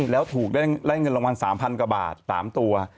แล้วถูกได้เงินรางวัล๓๐๐กว่าบาท๓ตัว